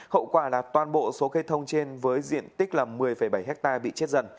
hậu quả là toàn bộ số cây thông trên với diện tích là một mươi bảy hectare bị chết dần